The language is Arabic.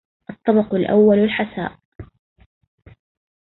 الطبق الأول الحساء.